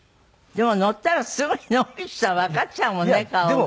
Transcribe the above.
でも乗ったらすぐに野口さんわかっちゃうもんね顔が。